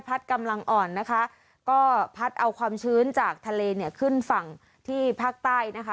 กำลังอ่อนนะคะก็พัดเอาความชื้นจากทะเลเนี่ยขึ้นฝั่งที่ภาคใต้นะคะ